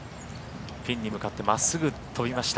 ピンに向かってまっすぐ飛びました。